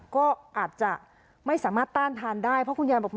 ก็อาจจะไม่สามารถต้านทานได้เพราะคุณยายบอก